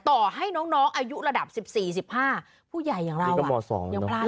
ต่อให้น้องอายุระดับ๑๔๑๕ผู้ใหญ่อย่างเรายังพลาด